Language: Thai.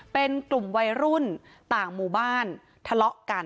เป็นกลุ่มวัยรุ่นต่างหมู่บ้านทะเลาะกัน